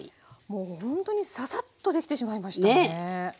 もうほんとにささっと出来てしまいましたね。ね！